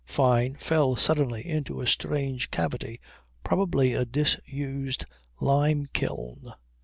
Fyne fell suddenly into a strange cavity probably a disused lime kiln.